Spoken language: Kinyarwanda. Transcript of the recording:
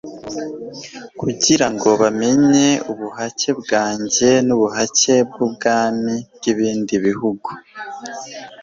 kugira ngo bamenye ubuhake bwanjye n'ubuhake bw'abami b'ibindi bihugu